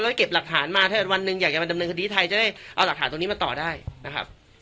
แล้วก็เก็บหลักฐานมาถ้าวันหนึ่งอยากจะมาดำเนินคดีไทยจะได้เอาหลักฐานตรงนี้มาต่อได้นะครับ